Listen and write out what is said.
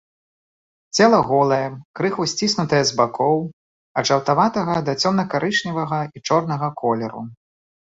Цела голае, крыху сціснутае з бакоў, ад жаўтаватага да цёмна-карычневага і чорнага колеру.